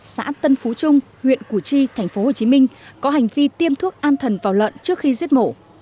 xã tân phú trung huyện củ chi tp hcm có hành vi tiêm thuốc an thần vào lợn trước khi giết mổ